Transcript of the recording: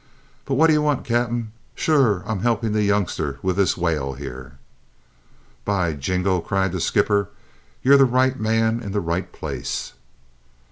But what d'ye want, cap'en? Sure, I'm helping the youngster with this whale here." "By jingo!" cried the skipper, "you're the right man in the right place!"